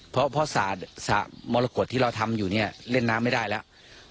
เพราะมรกฏที่เราทำอยู่เนี่ยเล่นน้ำไม่ได้แล้ว